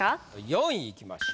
４位いきましょう。